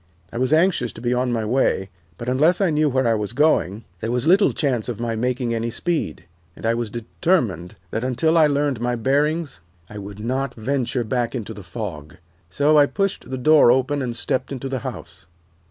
I was anxious to be on my way, but unless I knew where I was going there was little chance of my making any speed, and I was determined that until I learned my bearings I would not venture back into the fog. So I pushed the door open and stepped into the house.